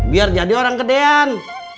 biar jadi orang gedean